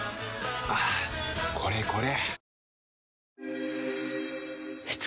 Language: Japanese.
はぁこれこれ！